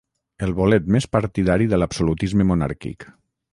El bolet més partidari de l'absolutisme monàrquic.